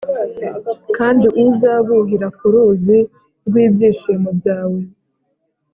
Kandi uzabuhira ku ruzi rw’ibyishimo byawe